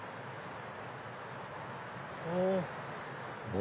お！